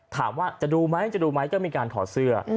ถามว่าจะดูไหมจะดูไหมก็มีการถอดเสื้อ